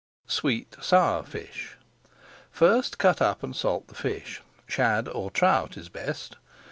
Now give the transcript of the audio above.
SWEET SOUR FISH First cut up and salt the fish. Shad or trout is best.